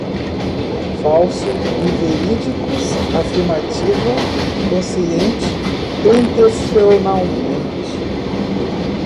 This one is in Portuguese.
falso, inverídicos, afirmativa, consciente, intencionalmente